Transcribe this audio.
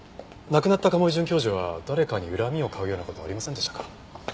亡くなった賀茂井准教授は誰かに恨みを買うような事はありませんでしたか？